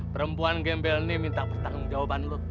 perempuan gembel ini minta pertanggung jawaban lu